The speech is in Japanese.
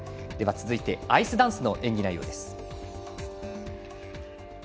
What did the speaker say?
続いて、アイスダンスの演技内容です。